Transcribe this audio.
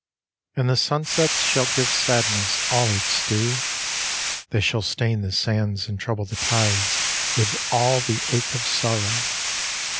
And the sunsets shall give sadness all its due, They shall stain the sands and trouble the tides with all the ache of sorrow.